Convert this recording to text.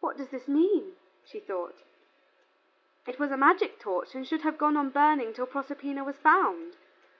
"What does this mean?" she thought. "It was a magic torch, and should have gone on burning till Proserpina was found."